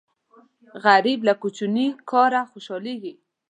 غریب له کوچني کاره خوشاليږي